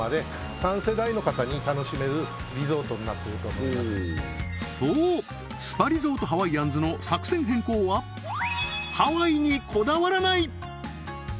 はいハワイじゃなくてしかもそうスパリゾートハワイアンズの作戦変更はハワイにこだわらない！